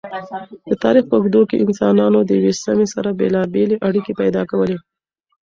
د تاریخ په اوږدو کی انسانانو د یوی سمی سره بیلابیلی اړیکی پیدا کولی